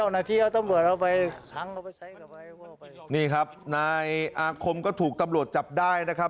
นี่ครับนายอาคมก็ถูกตำรวจจับได้นะครับ